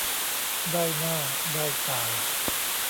ได้หน้าได้ตา